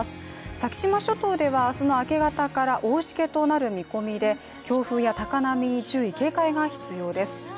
先島諸島では明日の明け方から大しけとなる見込みで強風や高波に注意警戒が必要です。